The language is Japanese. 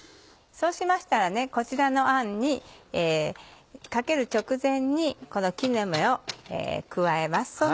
そうしましたらこちらのあんにかける直前にこの木の芽を加えます。